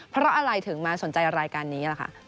เพราะอะไรถึงมาสนใจรายการนี้ล่ะค่ะ